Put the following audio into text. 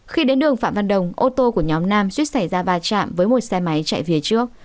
khi đến đường phạm văn đồng ô tô của nhóm nam suýt xảy ra va chạm với một xe máy chạy phía trước